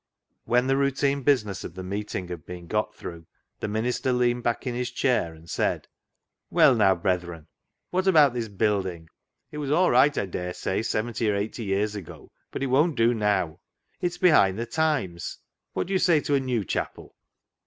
When the routine business of the meeting had been got through, the minister leaned back in his chair and said —" Well now, brethren, what about this build ing ? It was all right, I dare say, seventy or eighty years ago ; but it won't do now. It is behind the times. What do you say to a new chapel